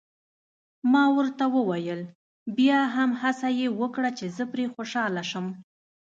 ما ورته وویل: بیا هم هڅه یې وکړه، چې زه پرې خوشحاله شم.